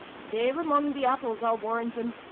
" "They're among the apples, I'll warrant 'em